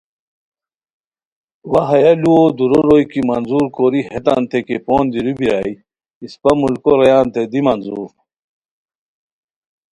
وا ہیہ ُلوؤ دُورو روئے کی منظور کوری ہیتانتے کی پون دیرو بیرائے اِسپہ ملکو رویانتے دی منظور